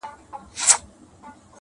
د دانو په اړولو کي سو ستړی،